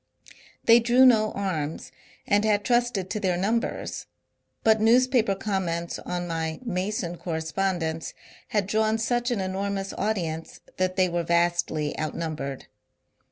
They drew no arms, and had trusted to their numbers ; but newspaper comments on my Mason. correspondence had drawn such an enormous audience that they were vastly outnumbered.